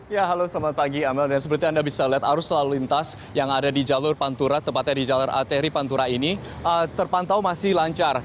ya halo selamat pagi amel dan seperti anda bisa lihat arus lalu lintas yang ada di jalur pantura tempatnya di jalur arteri pantura ini terpantau masih lancar